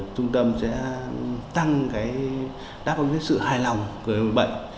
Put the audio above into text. trung tâm sẽ tăng đáp ứng với sự hài lòng của bệnh